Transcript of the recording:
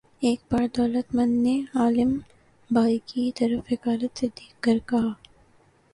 ایک بار دولت مند نے عالم بھائی کی طرف حقارت سے دیکھ کر کہا